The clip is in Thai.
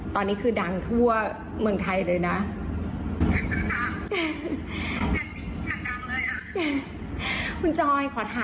ตอนนี้คือดังทั่วเมืองไทยเลยนะ